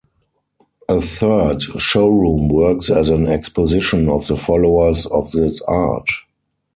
A third show room works as an exposition of the followers of this art.